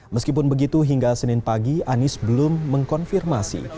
meskipun begitu hingga senin pagi anies belum mengkonfirmasi